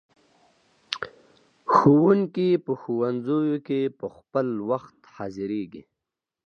ښوونکي په ښوونځیو کې په خپل وخت حاضریږي.